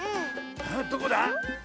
どこだ？